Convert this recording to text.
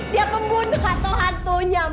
dia pembunuh atau hantunya ma